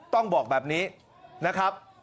ต้องบอกแบบนี้นะครับ